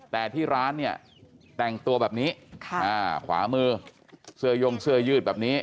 แต่ที่ร้านเนี่ยแต่งตัวแบบนี้ขวามือเสื้อยงเสื้อยืดแบบนี้